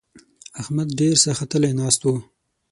احمد ډېر ساختلی ناست وو.